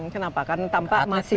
kenapa karena tampak masih